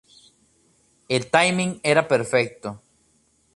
El "timing" era perfecto.